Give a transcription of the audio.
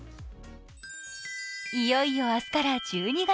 いよいよ明日から１２月、